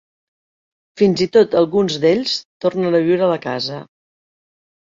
Fins i tot alguns d’ells tornen a viure a la casa.